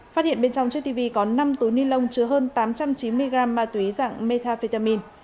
phát hiện bên trong chiếc tv có năm túi ni lông chứa hơn tám trăm chín mươi gram ma túy dạng metafetamin